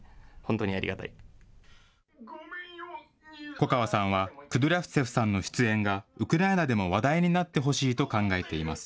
粉川さんは、クドリャフツェフさんの出演がウクライナでも話題になってほしいと考えています。